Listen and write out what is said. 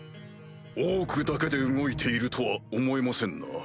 オークだけで動いているとは思えませんな。